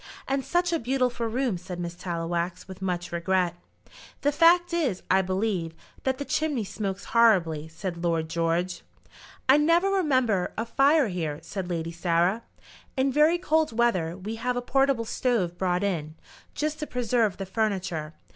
"And such a beautiful room!" said Miss Tallowax, with much regret. "The fact is, I believe, that the chimney smokes horribly," said Lord George. "I never remember a fire here," said Lady Sarah. "In very cold weather we have a portable stove brought in, just to preserve the furniture.